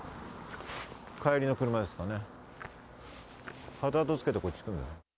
帰りの車ですかね？